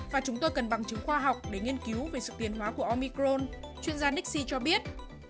và chúng tôi cần bằng chứng khoa học để nghiên cứu về sự tiến hóa của omicron chuyên gia nick c cho biết